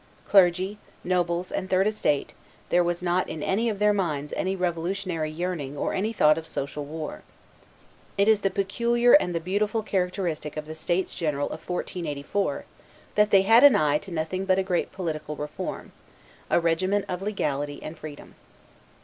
Clergy, nobles, and third estate, there was not in any of their minds any revolutionary yearning or any thought of social war. It is the peculiar and the beautiful characteristic of the states general of 1484 that they had an eye to nothing but a great political reform, a regimen of legality and freedom.